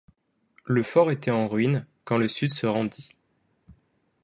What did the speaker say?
Le fort était en ruine quand le sud se rendit.